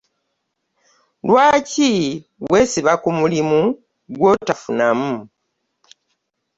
Lwaki wesiba ku mulimu gw'otafunamu.